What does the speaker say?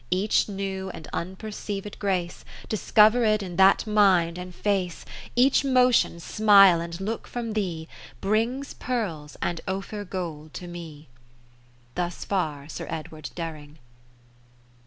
Each new and unperceived grace Discovered in that mind a?idface, Each motion, smile and look from thee. Brings pearls and Ophir Gold to me. Thus far Sir Edw. Dering.